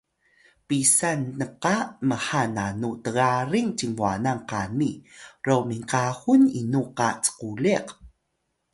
pisan nqa mha nanu tgaring cinbwanan qani ro minkahul inu qa cquliq?